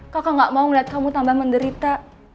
kakak gak mau melihat kamu tambah menderita